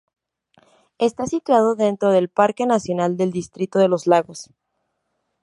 Está situado dentro del Parque Nacional del Distrito de los Lagos.